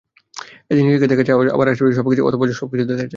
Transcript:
এতে নিজেকে দেখা যায়, আবার আশপাশের সবাইকে অথবা সবকিছুকে দেখা যায়।